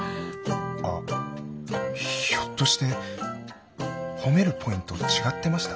あひょっとして褒めるポイント違ってました？